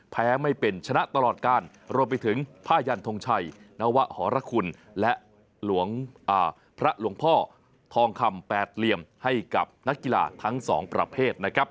ไม่เป็นชนะตลอดการรวมไปถึงผ้ายันทงชัยนวะหรคุณและพระหลวงพ่อทองคำแปดเหลี่ยมให้กับนักกีฬาทั้งสองประเภทนะครับ